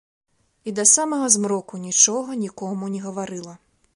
І да самага змроку нічога нікому не гаварыла.